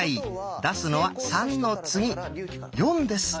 出すのは「３」の次「４」です。